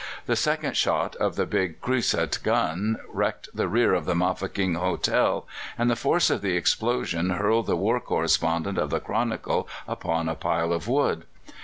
The second shot of the big Creusot gun wrecked the rear of the Mafeking Hotel, and the force of the explosion hurled the war correspondent of the Chronicle upon a pile of wood.